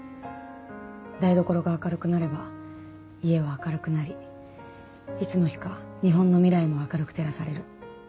台所が明るくなれば家は明るくなりいつの日か日本の未来も明るく照らされる。